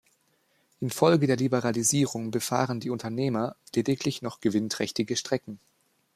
Infolge der Liberalisierung befahren die Unternehmer lediglich noch gewinnträchtige Strecken.